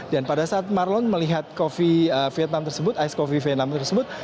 dan pada saat marlon melihat coffee vietnam tersebut ice coffee vietnam tersebut